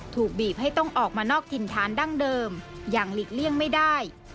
ถูกบีบให้ต้องออกมานอกถิ่นฐานดั้งเดิมอย่างหลีกเลี่ยงไม่ได้